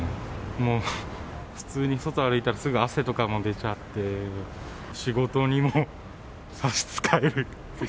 もう普通に外歩いたら、汗とかも出ちゃって、仕事にもさしつかえる。